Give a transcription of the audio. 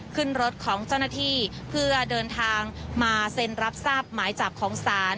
ขึ้นรถของเจ้าหน้าที่เพื่อเดินทางมาเซ็นรับทราบหมายจับของศาล